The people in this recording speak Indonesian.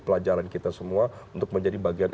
pelajaran kita semua untuk menjadi bagian